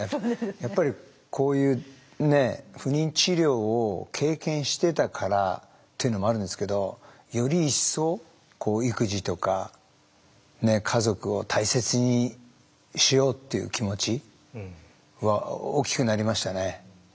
やっぱりこういうね不妊治療を経験してたからっていうのもあるんですけどより一層育児とか家族を大切にしようっていう気持ちは大きくなりましたね。